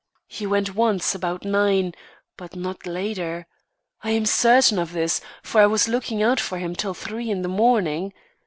He went once, about nine, but not later. I am certain of this, for I was looking out for him till three in the morning.